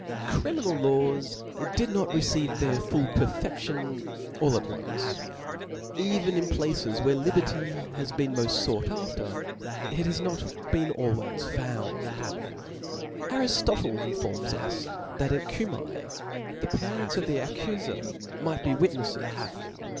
Criminal laws did not receive their full perfcftlon Jail at once. Even in places where liberty has been moft fought after, it has not been always foundl Ariftotle (*) informs us, that at Cumae; the parents /•')P!o^»^ici of the accufer might be witheflfes.